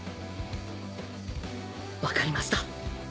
分かりました。